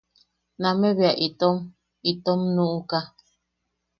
Name bea itom... itom nuʼuka.